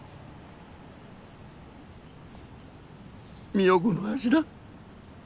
美代子の味だ。